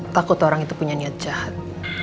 takut orang itu punya niat jahat